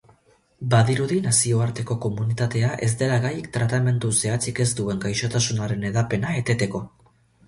Badirudi nazioarteko komunitatea ez dela gai tratamendu zehatzik ez duen gaixotasunaren hedapena eteteko.